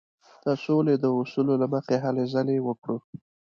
د سولې د اصولو له مخې هلې ځلې وکړو.